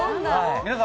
皆さん